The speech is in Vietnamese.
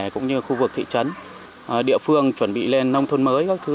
cũng như khu vực thị trấn địa phương chuẩn bị lên nông thôn mới các thứ